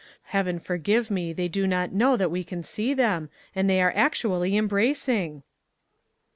Heaven forgive me, they do not know that we can see them, and they are actually embracing!"